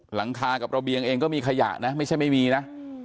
หลังคากับระเบียงเองก็มีขยะนะไม่ใช่ไม่มีนะ